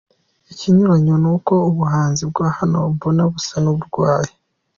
Ikinyuranyo ni uko ubuhanzi bwa hano mbona busa n’uburwaye.